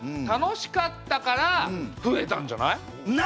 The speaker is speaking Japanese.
楽しかったから増えたんじゃない？